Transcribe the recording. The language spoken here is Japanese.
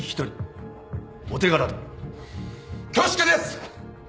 恐縮です！